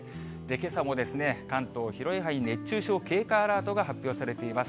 けさも関東、広い範囲、熱中症警戒アラートが発表されています。